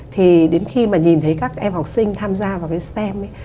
thì đến khi mà nhìn thấy các em học sinh tham gia vào cái stem ấy